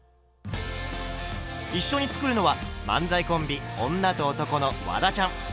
一緒に作るのは漫才コンビ「女と男」のワダちゃん。